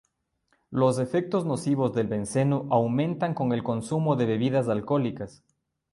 Los efectos nocivos del benceno aumentan con el consumo de bebidas alcohólicas.